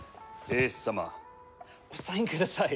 英寿様サインください！